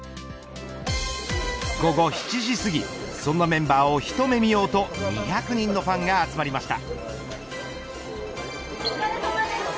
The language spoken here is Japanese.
午後７時すぎそんなメンバーを一目見ようと２００人のファンが集まりました。